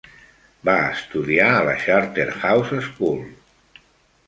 Va estudiar a la Charterhouse School.